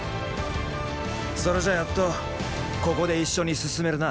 それじゃやっとここで一緒に進めるな。